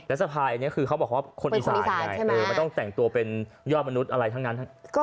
สะพายอันนี้คือเขาบอกว่าคนอีสานไงไม่ต้องแต่งตัวเป็นยอดมนุษย์อะไรทั้งนั้น